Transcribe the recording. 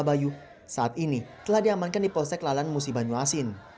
kebayu saat ini telah diamankan di posek lalan musi banyu asin